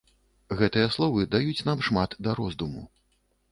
Гэтыя словы даюць нам шмат да роздуму.